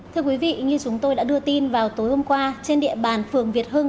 thưa quý vị như chúng tôi đã đưa tin vào tối hôm qua trên địa bàn phường việt hưng